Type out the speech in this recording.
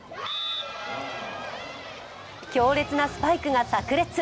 強烈なスパイクがさく裂。